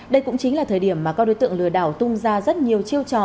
đây cũng chính là thời điểm mà các đối tượng lừa đảo tung ra rất nhiều chiêu trò